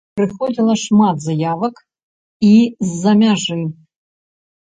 Прыходзіла шмат заявак і з-за мяжы.